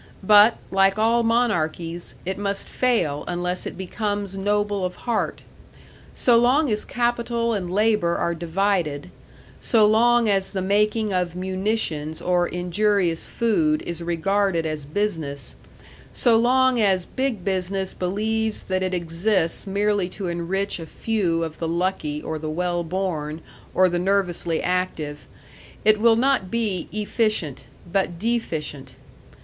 But, like all monarchies, it must fail unless it becomes noble of heart. So long as capital and labor are divided, so long as the making of munitions or injurious food is regarded as business, so long as Big Business believes that it exists merely to enrich a few of the lucky or the well born or the nervously active, it will not be efficient, but deficient.